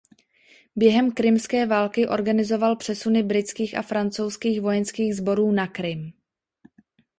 Během krymské války organizoval přesuny britských a francouzských vojenských sborů na Krym.